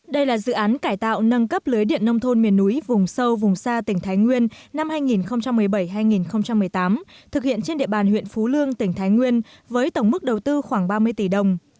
đây là dự án cải tạo nâng cấp lưới điện nông thôn miền núi vùng sâu vùng xa tỉnh thái nguyên năm hai nghìn một mươi bảy hai nghìn một mươi tám thực hiện trên địa bàn huyện phú lương tỉnh thái nguyên với tổng mức đầu tư khoảng ba mươi tỷ đồng